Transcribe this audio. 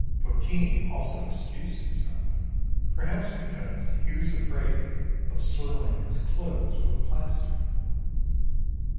Votini also excused himself, perhaps because he was afraid of soiling his clothes with plaster.